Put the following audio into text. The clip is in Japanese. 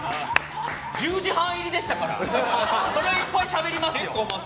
１０時半入りですからそれはいっぱいしゃべりますよ。